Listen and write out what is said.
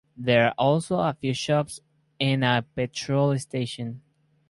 There are also a few shops and a petrol station.